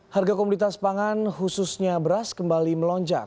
harga komoditas pangan khususnya beras kembali melonjak